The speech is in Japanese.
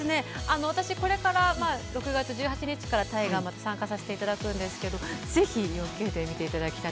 私６月１８日から大河に参加させていただくんですけどぜひ４Ｋで見ていただきたい。